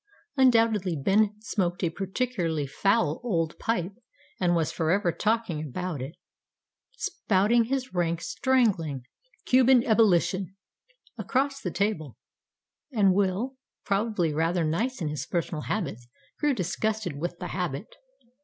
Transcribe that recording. Undoubtedly Ben smoked a particularly foul old pipe and was forever talking about it, spouting his rank strangling "Cuban ebolition" across the table; and Will, probably rather nice in his personal habits, grew disgusted with the habit.